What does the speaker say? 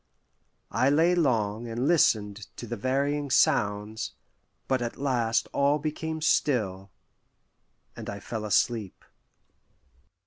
I lay long and listened to the varying sounds, but at last all became still, and I fell asleep.